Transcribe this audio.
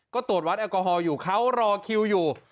ก็ตรวจวัดแอลกอฮอลอยู่เขารอคิวอยู่